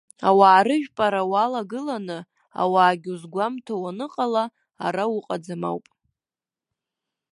Ауаа рыжәпара уалагыланы, ауаагьы узгәамҭо уаныҟала, ара уҟаӡам ауп.